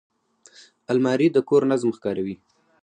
الماري د کور نظم ښکاروي